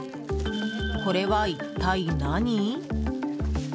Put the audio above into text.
これは一体何？